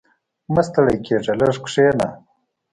• مه ستړی کېږه، لږ کښېنه.